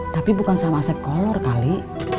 tapi bukan sama saeb kolor kali